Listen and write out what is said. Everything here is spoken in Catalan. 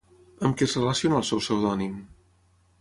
Amb què es relaciona el seu pseudònim?